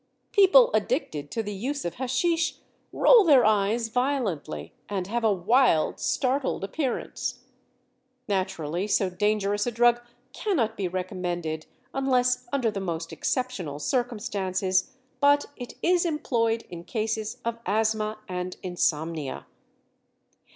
People addicted to the use of haschisch roll their eyes violently, and have a wild, startled appearance. Naturally so dangerous a drug cannot be recommended unless under the most exceptional circumstances, but it is employed in cases of asthma and insomnia.